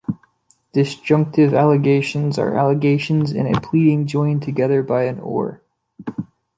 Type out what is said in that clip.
Disjunctive allegations are allegations in a pleading joined together by an "or".